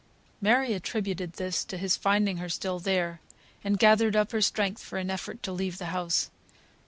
Mary attributed this to his finding her still there, and gathered up her strength for an effort to leave the house.